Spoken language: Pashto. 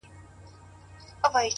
عقلمن انسان د احساساتو بندي نه وي